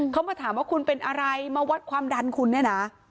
เขามาถามว่าคุณเป็นอะไรมาวัดความดันคุณเนี่ยนะ